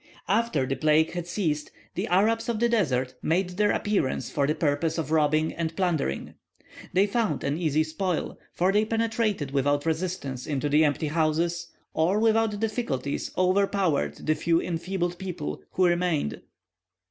After the plague had ceased, the Arabs of the desert made their appearance for the purpose of robbing and plundering. They found an easy spoil, for they penetrated without resistance into the empty houses, or without difficulty overpowered the few enfeebled people who remained.